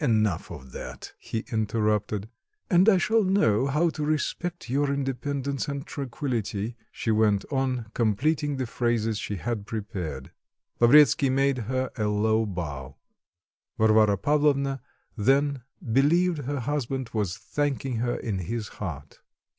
"Enough of that," he interrupted. "And I shall know how to respect your independence and tranquillity," she went on, completing the phrases she had prepared. Lavretsky made her a low bow. Varvara Pavlovna then believed her husband was thanking her in his heart.